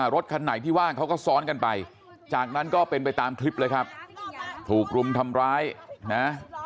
รถคันไหนที่ว่างเขาก็ซ้อนกันไปจากนั้นก็เป็นไปตามคลิปเลยครับถูกรุมทำร้ายนะ